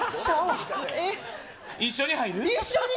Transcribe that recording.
一緒に入る？